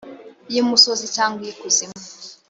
y imusozi cyangwa ay ikuzimu